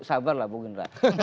sabar lah bu rindra